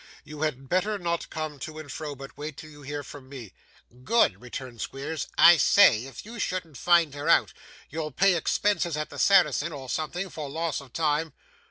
You had better not come to and fro, but wait till you hear from me.' 'Good!' returned Squeers. 'I say! If you shouldn't find her out, you'll pay expenses at the Saracen, and something for loss of time?